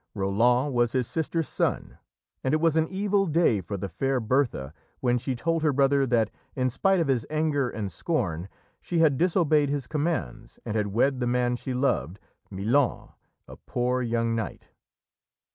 Roland was his sister's son, and it was an evil day for the fair Bertha when she told her brother that, in spite of his anger and scorn, she had disobeyed his commands and had wed the man she loved, Milon, a poor young knight.